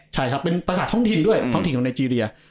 ใช่ครับเป็นภาษาท้องถิ่นด้วยท้องถิ่นของไนเจรีย